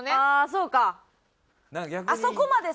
そうか。